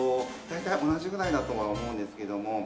大体同じぐらいだとは思うんですけども。